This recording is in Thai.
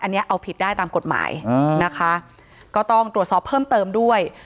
อันนี้เอาผิดได้ตามกฎหมายนะคะก็ต้องตรวจสอบเพิ่มเติมด้วย